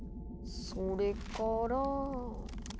それから。